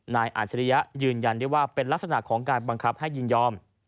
อาจริยะยืนยันได้ว่าเป็นลักษณะของการบังคับให้ยินยอม